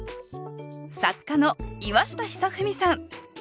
作家の岩下尚史さん。